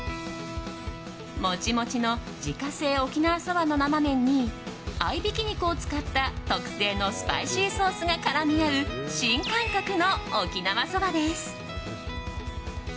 モチモチの自家製沖縄そばの生麺に合いびき肉を使った特製のスパイシーソースが絡み合う新感覚の沖縄そばです。